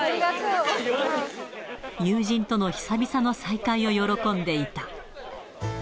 友人との久々の再会を喜んでいた。